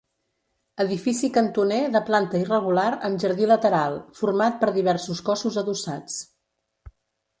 Edifici cantoner de planta irregular amb jardí lateral, format per diversos cossos adossats.